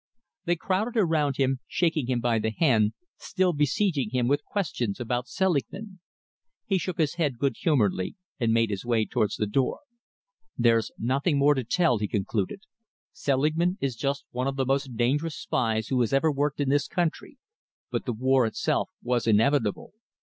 They crowded around him, shaking him by the hand, still besieging him with questions about Selingman. He shook his head good humouredly and made his way towards the door. "There's nothing more to tell you," he concluded. "Selingman is just one of the most dangerous spies who has ever worked in this country, but the war itself was inevitable.